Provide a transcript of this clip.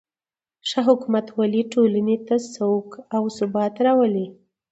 ښه حکومتولي ټولنې ته سوله او ثبات راولي.